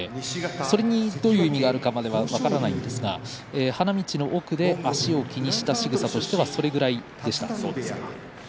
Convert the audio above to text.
それに、どういう意味があるかまだ分からないんですが花道の奥で足を気にしたしぐさとしては、それぐらいでした。